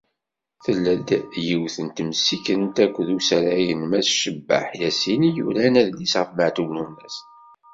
Tella-d yiwet n temsikent akked usarag n Mass Cebbaḥ Yasin i yuran adlis ɣef Meεtub Lwennas.